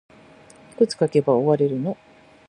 いくつ書けば終われるの